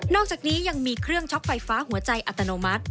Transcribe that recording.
อกจากนี้ยังมีเครื่องช็อปไฟฟ้าหัวใจอัตโนมัติ